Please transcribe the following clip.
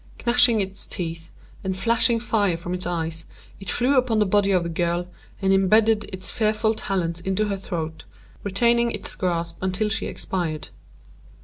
Gnashing its teeth, and flashing fire from its eyes, it flew upon the body of the girl, and imbedded its fearful talons in her throat, retaining its grasp until she expired.